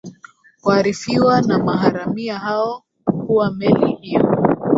waarifiwa na maharamia hawo kuwa meli hiyo